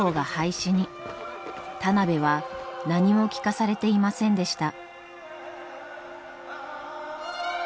田邊は何も聞かされていませんでした。